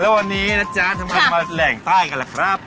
แล้ววันนี้นะจ๊ะทำไมมาแหล่งใต้กันล่ะครับ